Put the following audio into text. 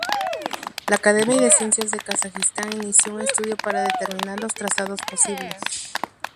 La Academia de Ciencias de Kazajistán inició un estudio para determinar los trazados posibles.